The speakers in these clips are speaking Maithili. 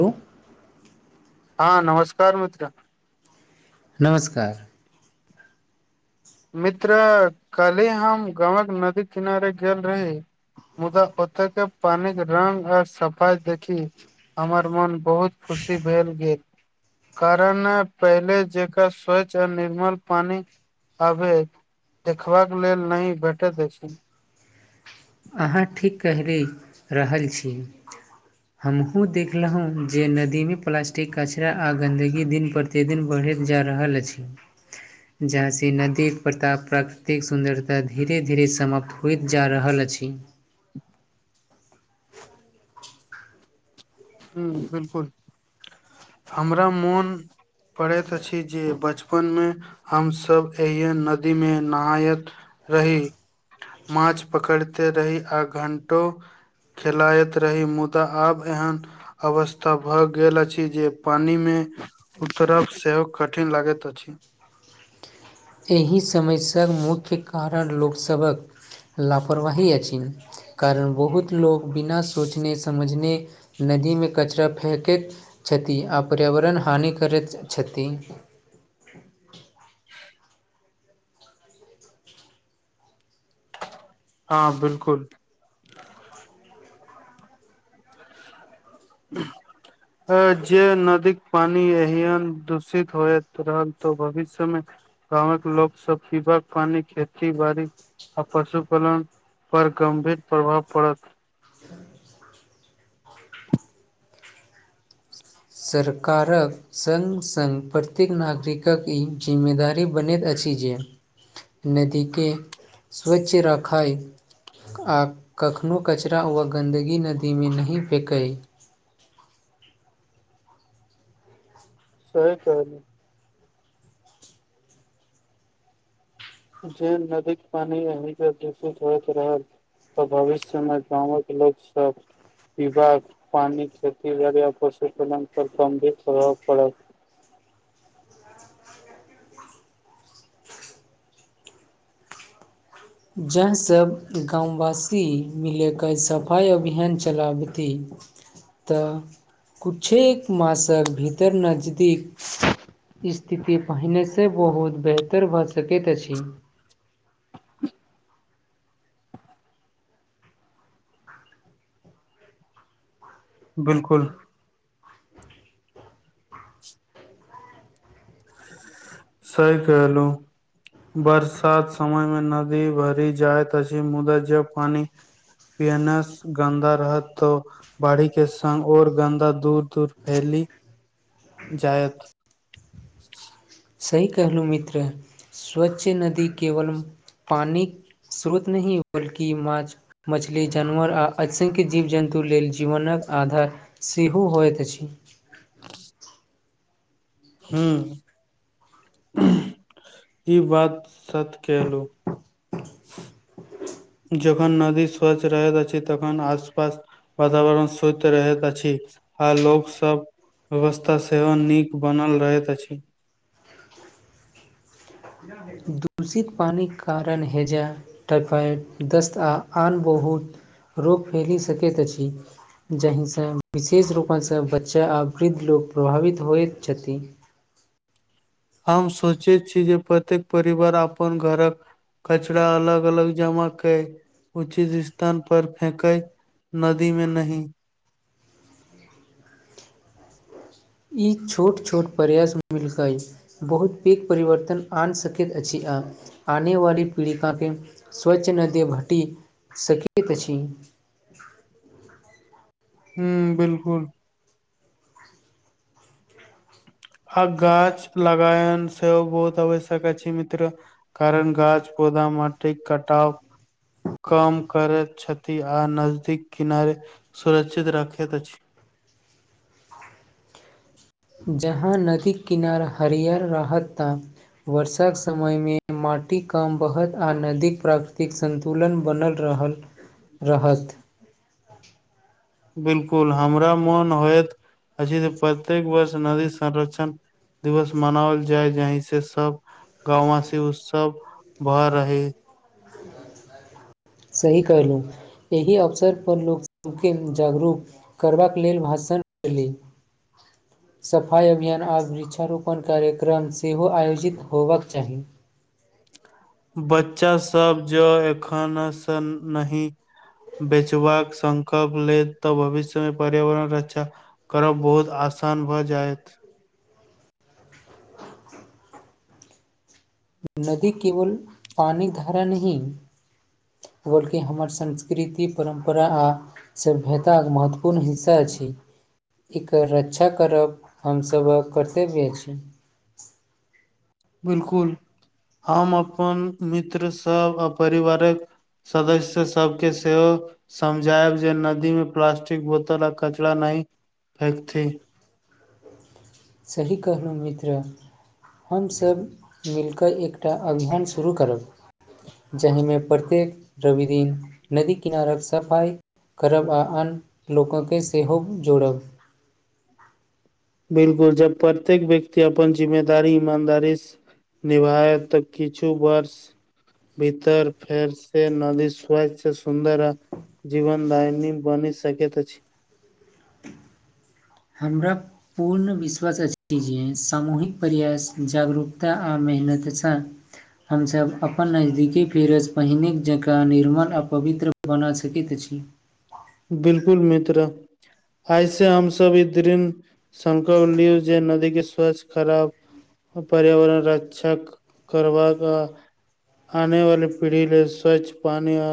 लो हँ नमस्कार मित्र नमस्कार मित्र कलही हम गवक नदी किनारे गेल रही मुदा ओतऽ के पानिक रंग आर सफाइ देखी हमर मोन बहुत खुशी भेल गेल कारण है पहिले जेकां स्वच्छ आ निर्मल पानी अबे देखबाक लेल नहि भेटैत अछिन अहाँ ठीक कहि रहल छी हमहु देखलहुं जे नदी मे प्लास्टिक कचरा आ गंन्दगी दिन पर कते दिन बढ़ैत जा रहल अछि जाहिसँ नदीक प्रताप प्राकृतिक सुन्दरता धीरे धीरे समाप्त होइत जा रहल अछि ह [inaudible] हं बिलकुल हमरा मोन पढ़ैत अछि जे बचपन मे हमसब जहिया नदी मे नहायत रहि माछ पकड़ते रहि आ घंटो खेलाायइत रही मुदा आब एहन अवस्था भऽ गेल अछि जे पानि मे उतरब सेहो कठिन लागैत अछि एहि समयसँ मुख्य कारण लोकसभक लापरवाही अछि कारण बहुत लोक बिना सोचने समझने नदीमे कचरा फेकैत छथि आ पर्यावरण हानि करैत छथि हँ बिलकुल [inaudible] जे नदीक पानी यहन दूषित होत रहल तो भविष्य मे गाँवक लोक सब पीब पानी खेती बाड़ी आ पशुपालन पर गम्भीर प्रभाव पड़त सरकारक सङ्ग सङ्ग प्रत्येक नागरिकक ई जिम्मेदारी बनैत अछि जे नदी के स्वच्छ रखाय आ कखनो कचरा व गन्दगी नदीमे नहि फेकय सही कहह जे नदीक पानी अहीं पर दूषित होइत रहल तऽ भविष्य मे गाँव के लोक सब इ बार पानि खेती आओर पशुपालन पर गंभीर प्रभाव पड़त जाहिसँ गामववासी मिलयके सफाइ अभियान चलाबतै तऽ किछु मासक भीतर नजदीक स्थिति पहिनेसँ बहुत बेहतर भऽ सकैत अछि बिलकुल सही कहलहु बरसात समय मे नदी भरि जाइत अछि मुदादा जब पानि पिय ने सेहो गन्दा रहत त बाढ़ी के संगङ् और गन्दा दूर दूर फैल जायत सही कहलू मित्र स्वच्छ नदी केवल पानि स्रोत नहि बल्कि माछ मछली जानवर आ असंख्य जीव जन्तु लेल जीवनक आधार सेहो होइत अछि हू ई बात सत कलहुँ [unintelligible] जखन नदी स्वच्छ रहैत अछि तखन आस पास वातावरण स्वक्ष रहैत अछि आ लोक सब व्यवस्था सेहो नीक बनल रहैत अछि दूषित पानि कारण हैजा टाइफॉइड दस्त आ आन बहुत रोग फैलि सकैत अछि जाहिसँ विशेष रूपाससँ बच्चा आ वृद्ध लोक प्रभावित होइत छथिन हम सोचे छी जे प्रत्येक परिवार अपन घरक कचराा अलग अलग जमा के उचित स्थान पर फेके नदी में नहिं ई छोट छोट प्रयास मिलकै बहुत पैघ परिवर्तन आन सकैत अछि आ आने वाली पीड़िकाके स्वच्छ नदे हटि सकैत अछि हुँ बिलकुल आ गाछ लगायन सेहो बहुत आवश्यक अछि मित्र कारण गाछ पौधा माटि कटााव कम करैत छथि आ नजदीक किनारे सुरक्षित रखैत अछि जहां नदी किनार हरियर रहत तऽ वर्षाक समय मे माटि कम बहत आ नदीक प्राकृतिक संत सँतुलन बनल रहल रहत बिलकुल हमरा मोन होइत अछि जे प्रत्येक वर्ष नदी संरक्षण दिवस मनाओल जाय जहि से सब गाँववासी उत्सव भर रहे सही कयलहुँ एहि अवसरपर लोकसभके जागरूक करबाक लेल भाषण दी सफाइ अभियान आब वृक्षारोपण कार्यक्रम सेहो आयोजित होयबाक चाही बच्चा सब जो एखनसँ नही बेचबाक संकल्प ले तऽ भविष्यमे पर्यावरण रक्षा करब बहुत आसान भऽ जायत नदी केवल पानी धारा नहि बोलकि हमर संस्कृति परम्परा आ सभ्यताके महत्वपूर्ण हिस्सा छै एकर रक्षा करब हमसभक कर्तव्य अछी बिलकुल हम अपन मित्र सब आ परिवारक सदस्य सभके सेहो समझायब जे नदी में प्लास्टिक बोतल आ कचरा नहि फेेकथि सही कहलहुँ मित्र हमसभ मिलकऽ एकटा अभियान शुरू करब जाहिमे प्रत्येक रवि दिन नदी किनारक सफाइ करब आ आन लोक के सेहो जोड़ब बिल्कुल जब प्रत्येक व्यक्त अपन जिम्मेदारी इमानदारी निभायत त किछु वर्ष भीतर फेर से नदी स्वच्छ स सुन्दर है जीवनदायनी बनी सकैत अछि हमरा पूर्ण विश्वास अछि जे सामूहिक प्रयास जागरूकता आ मेहनत सँ हमसभ अपन नजदीकी फेरस पहिने जकाँ निर्मल आ पवित्र बना सकैत अछि बिलकुल मित्र आयसे हमसब इ दृिन संकल्प लिय जे नदी के स्वच्छ करब पर्यावरण रक्षा करबाक आने वाली पीढ़ी लेल स्वच्छ पानी आ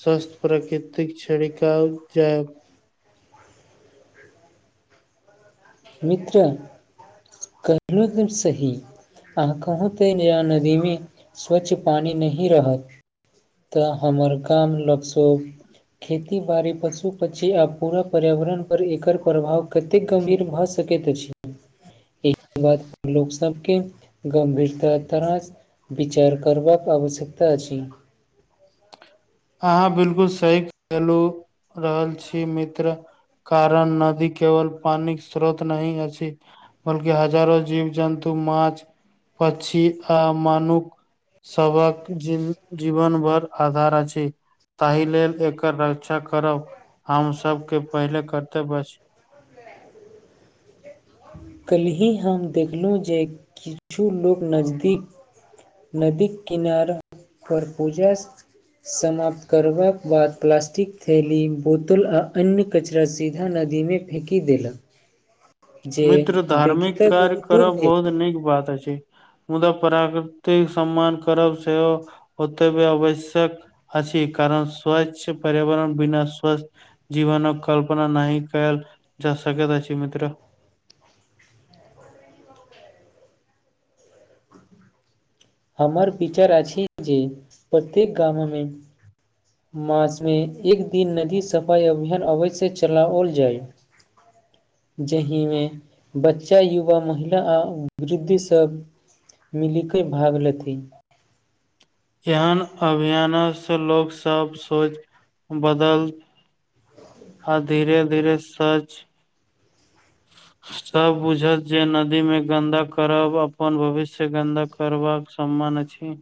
स्वस्थ प्राकृतिक छड़िका जायब मित्र कहलो एकदम सही अहाँ कहू ते नया नदीमे स्वच्छ पानी नहि रहत तऽ हमर गाम लोकसभ खेती बाड़ी पशु पक्षी आ पूरा पर्यावरण पर एकर प्रभाव कतेक गं्भीर भऽ सकैत अछि एहि के बाद लोक सबके गं्भीरता ततरास विचार करबाक आवश्यकता अ अहाँ बिलकुल सही कहलू रहल छी मित्र कारण नदी केवल पानी स्रोत नहि अछि बलकि हजारो जीव जन्तु मछ पछी आ मानुक सबक जी जीवन भर आधार अछि ताहि लेल एकर रक्षा करब हम सबके पहिले कर्तेव्य अछि कल्हि हम देखलहुँ जे किछु लोक नजदीक नदी किनारा पर पूजा समाप्त करबाक बाद प्लास्टिक थैली बोतल आ अन्य कचड़ा सीधा नदी मे फेकी देलक जे मित्र देखि धार्मिक कऽ कार्य बहुत दुःख करब भेल। बहुत नीक बात अछि मुदा प्राकृतिक सम्मान करब सेहो ओतबे आवश्यक अछि कारण स्वच्छ पर्यावरण बिना स्वस्थ जीवन कल्पना नहि कल जा सकैत अछि मित्र हमर विचार अछि जे प्रत्येक गाम मे मासमे एक दिन नदी सफाइ अभियान अवश्य चलाओल जाय जाहिमे बच्चा युवा महिला आ वृद्ध सब मिलिके भाग लेथि एहन अभियान से लोकग सब सोच बदल आ धीरे धीरे सच सब बुझत जे नदी में गन्दा करब अपन भविष्य गन्दा करबाक सम्मान अछि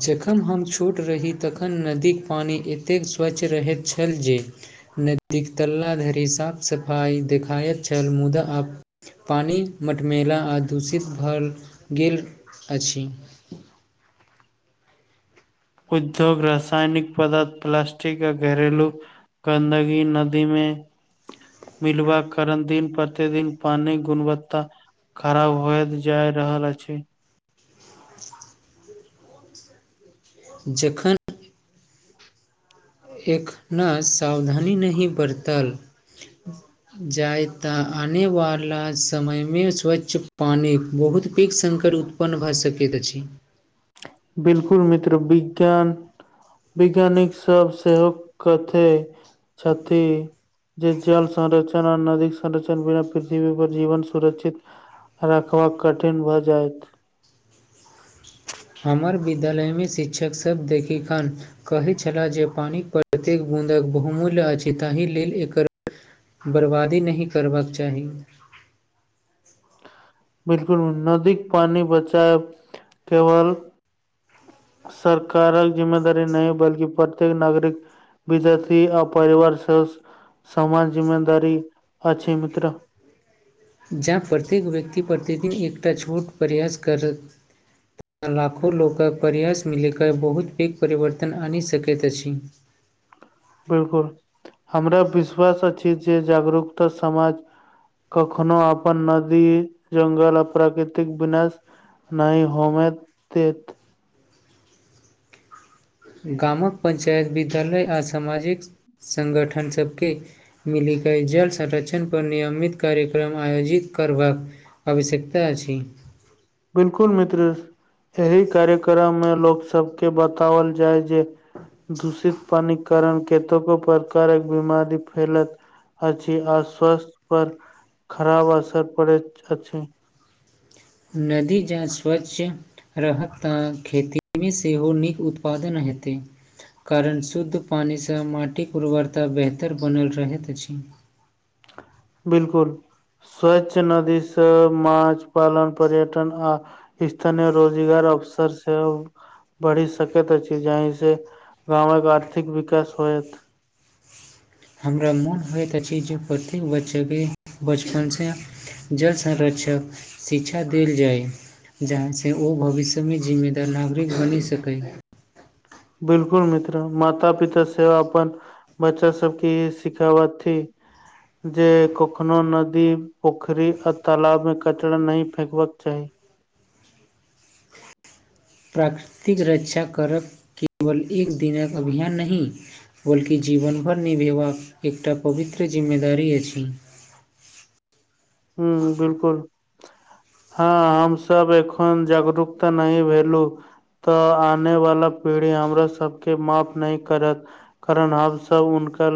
जखन हम छोट रही तखन नदीक पानि एतेक स्वच्छ रहैत छल जे नदीक तल्ला धरि साफ सफाइ देखायत छल मुदा आब पानि मठमेला आ दूषित भल गेल अछि उद्योग रसायनिक पदार्थ प्लास्टिक आ घरेलू गन्दगी नदी मे मिलवाक कारण दिन प्रतिदिन पानि क गुणवत्ता खराब होए जाय रहल अछि। जखन एखना सावधानी नहि बरतल। जाय तऽ आनेवाला समयमे स्वच्छ पानि बहुत पैघ संकट होयत। अपन भऽ सकैत अछि। बिल्कुल मित्र विज्ञान वैज्ञानिक सभ सेहो कहते छथि जे जल संरक्षण आ नदीक संरक्षण बिना पृथ्वी पर जीवन सुरक्षित रखबाक कठिन भऽ जायत। हमर विद्यालयमे शिक्षक सभ देखिक हन अखन ते अहाँके कमाल भऽ गेलै, सबटा अहाँके गाय, अपन दूध, अपन गाछक आम, अपन गाछक बरबादी नहि करबाक चाही बिल्कुल नदी के पानी बचायब केवल सरकारक जिम्मेदारी नहि, बल्कि प्रत्येक नागरिक। विद्यार्थी आ परिवार सेहो समान जिम्मेदारी अछि, मित्र। जँ प्रत्येक व्यक्ति प्रतिदिन एकटा छोट प्रयास करत। लाखो लोक प्रयास मिललिक बहुत पैघ परिवर्तन आनि सकैत अछि। बिल्कुल, हमरा विश्वास अछि जे जागरूकता समाज कखनो अपन नदी, जंगल आ प्राकृतिक विनाश नहि होमे देत गामक पञ्चायत, विद्यालय आ सामाजिक संगठनसभके मिलिके जल संरक्षण पर नियमित कार्यक्रम आयोजित करबाक। आवश्यकता अछि बिल्कुल मित्र, एहि कार्यक्रममे लोकसभके बताओल जाय। जे दूषित पानिक कारण केतको प्रकारक बीमारी फैलत। अछि आ स्वास्थ्य पर खराब असर पड़ैत अछि। नदी जहा स्वच्छ रहत तऽ खेतीमे सेहो नीक उत्पादन हेतै। कारण शुद्ध पानिसँ माटिक उर्वरता बेहतर बनल रहैत अछि। बिल्कुल, स्वच्छ नदीसँ माछ पालन, पर्यटन आ स्थानीय रोजगारक अवसर सेहो। बढ़ि सकैत अछि, जाहि से गाँवक आर्थिक विकास होयत। हमरा मोन होइत अछि जे प्रत्येक बच्चाके बचपनसँ जल संरक्षणक शिक्षा देल जाय। जाहिसँ ओ भविष्य मे जिम्मेदार नागरिक बनि सकैए। बिल्कुल मित्र, माता पिता सेहो अपन बच्चा सभके ई सिखाबथि। जे कखनो नदी, पोखरी आ तालाबमे कचरा नहि फेकबाक चाही। प्राकृतिक रक्षा करब केवल एक दिनक अभियान नहि। बल्कि जीवनभर निभेबाक एकटा पवित्र जिम्मेदारी अछि। हू बिलकुल हँ, हमसभ एखन जागरूकता नहि भेलहुँ। तऽ आनेवाला पीढ़ी हमरा सभके माफ नहि करत। कारण हमसभ हुनकर